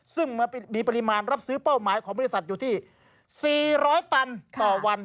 ซึ่งมีปริมาณรับซื้อเป้าหมายของบริษัทอยู่ที่๔๐๐ตันต่อวัน